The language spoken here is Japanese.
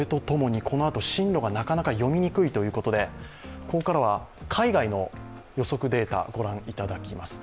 このあと、進路がなかなか読みにくいということでここからは海外の予測データを御覧いただきます。